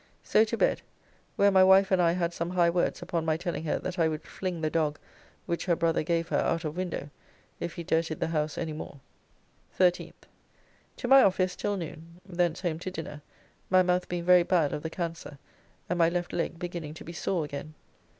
So to bed, where my wife and I had some high words upon my telling her that I would fling the dog which her brother gave her out of window if he [dirtied] the house any more. 13th. To my office till noon, thence home to dinner, my mouth being very bad of the cancer and my left leg beginning to be sore again.